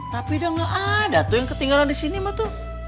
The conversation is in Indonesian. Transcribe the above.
tapi dah gak ada tuh yang ketinggalan disini mah tuh